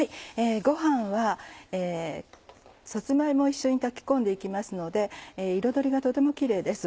ご飯はさつま芋を一緒に炊き込んで行きますので彩りがとてもキレイです。